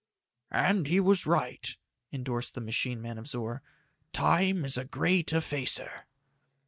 "And he was right," endorsed the machine man of Zor. "Time is a great effacer."